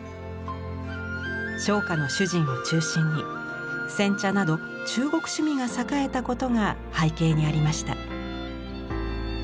商家の主人を中心に煎茶など中国趣味が栄えたことが背景にありました。